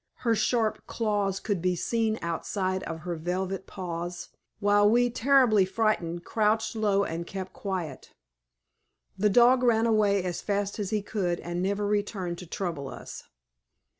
Her sharp claws could be seen outside of her velvet paws, while we, terribly frightened, crouched low and kept quiet. The dog ran away as fast as he could, and never returned to trouble us.